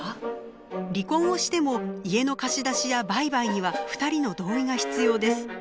離婚をしても家の貸し出しや売買には二人の同意が必要です。